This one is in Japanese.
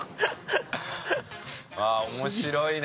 ああ面白いね。